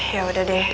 ya udah deh